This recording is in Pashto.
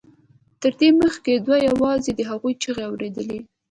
تر دې مخکې ده یوازې د هغوی چیغې اورېدلې